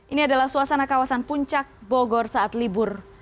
ini adalah suasana kawasan puncak bogor saat libur